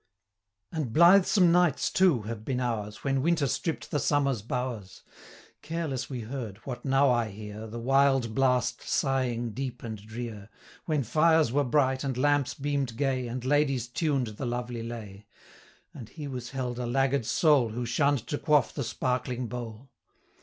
And blithesome nights, too, have been ours, When Winter stript the summer's bowers. Careless we heard, what now I hear, 185 The wild blast sighing deep and drear, When fires were bright, and lamps beam'd gay, And ladies tuned the lovely lay; And he was held a laggard soul, Who shunn'd to quaff the sparkling bowl.